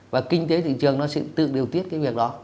và kinh tế thị trường nó sẽ tự điều tiết cái việc đó